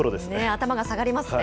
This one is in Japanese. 頭が下がりますね。